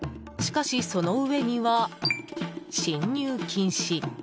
しかし、その上には進入禁止。